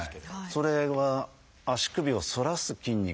それは足首を反らす筋肉。